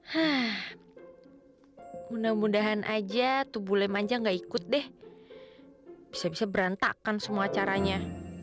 hai haa mudah mudahan aja tubuh lem aja nggak ikut deh bisa bisa berantakan semua caranya